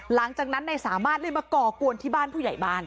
หลังจากนั้นนายสามารถเลยมาก่อกวนที่บ้านผู้ใหญ่บ้าน